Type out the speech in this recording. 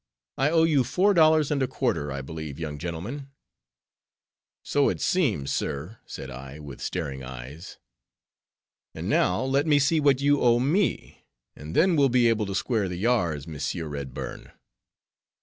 I owe you four dollars and a quarter, I believe, young gentleman?" "So it seems, sir," said I, with staring eyes. "And now let me see what you owe me, and then well be able to square the yards, Monsieur Redburn."